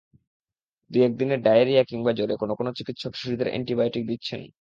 দুই একদিনের ডায়রিয়া কিংবা জ্বরে কোনো কোনো চিকিৎসক শিশুদের অ্যান্টিবায়োটিক দিচ্ছেন।